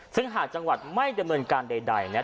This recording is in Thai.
ซึ่งหากจังหวัดไม่ได้เมืองการใดเนี่ย